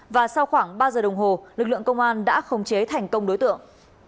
và sau khoảng ba giờ đồng hồ lực lượng công an đã khống chế thành công đối tượng